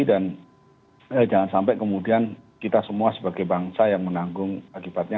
dan jangan sampai kemudian kita semua sebagai bangsa yang menanggung akibatnya